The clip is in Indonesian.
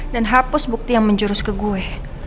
dan hapus bukti yang menjurus ke gue